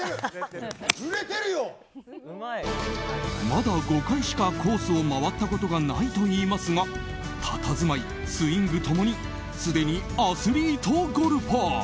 まだ５回しかコースを回ったことがないといいますがたたずまい、スイングともにすでにアスリートゴルファー。